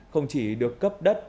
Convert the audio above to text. không chỉ được cấp đất